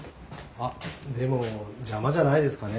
あっでも邪魔じゃないですかね？